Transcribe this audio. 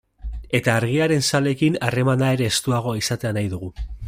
Eta Argiaren zaleekin harremana ere estuagoa izatea nahi dugu.